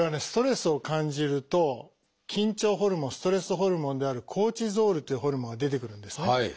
ストレスを感じると緊張ホルモンストレスホルモンであるコルチゾールというホルモンが出てくるんですね。